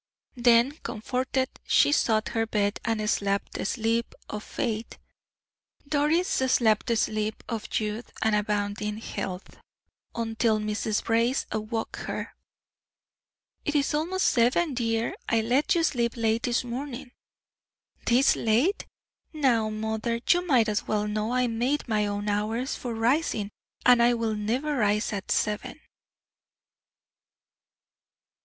Then, comforted, she sought her bed and slept the sleep of faith. Doris slept the sleep of youth and abounding health, until Mrs. Brace awoke her. "It is almost seven, dear. I let you sleep late this morning." "This late? Now, mother, you might as well know I made my own hours for rising, and I will never rise at seven!"